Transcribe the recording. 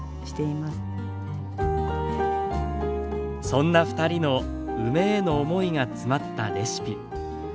そんな２人の梅への思いが詰まったレシピ。